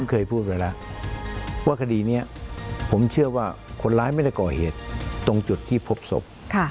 เคยพูดไปแล้วว่าคดีนี้ผมเชื่อว่าคนร้ายไม่ได้ก่อเหตุตรงจุดที่พบศพ